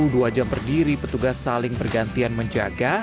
dua jam berdiri petugas saling bergantian menjaga